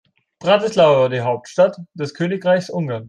Bratislava war die Hauptstadt des Königreichs Ungarn.